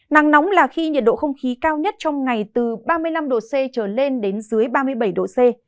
nắng nóng là khi nhiệt độ không khí cao nhất trong ngày từ ba mươi năm độ c trở lên đến dưới ba mươi bảy độ c